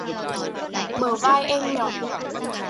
Bờ vai em nhỏ